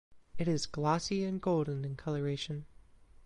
It is glossy and golden in colouration.